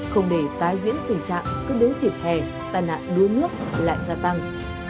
không để tái diễn tình trạng cứ đến dịp hè tai nạn đuối nước lại gia tăng